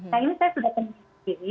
nah ini saya sudah kondisi